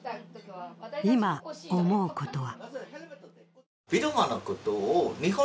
今、思うことは。